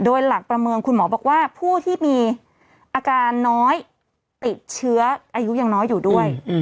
โดยหลักประเมินคุณหมอบอกว่าผู้ที่มีอาการน้อยติดเชื้ออายุยังน้อยอยู่ด้วย